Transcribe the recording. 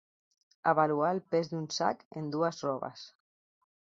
Avaluar el pes d'un sac en dues roves.